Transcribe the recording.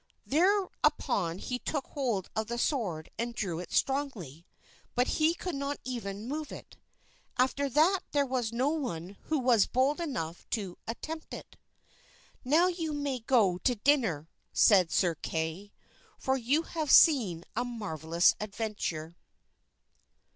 Thereupon he took hold of the sword and drew it strongly, but he could not even move it. After that there was no one who was bold enough to attempt it. "Now you may go to dinner," said Sir Kay, "for you have seen a marvelous adventure."